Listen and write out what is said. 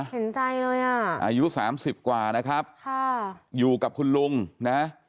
เห็นใจเลยอ่ะอายุสามสิบกว่านะครับค่ะอยู่กับคุณลุงนะ